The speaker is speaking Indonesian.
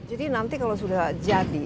jadi nanti kalau sudah jadi